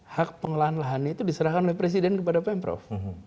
hak pengelolaan lahan itu diserahkan oleh presiden kepada pemprov